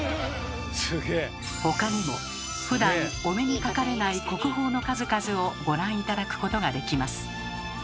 他にもふだんお目にかかれない国宝の数々をご覧頂くことができます。